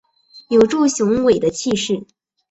有著雄伟的气势